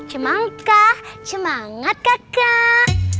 cemangkah cemangat kakak